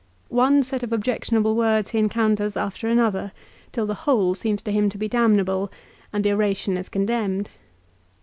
One set of objectionable words he encounters after another till the whole seems to him to be damnable, and the oration is condemned.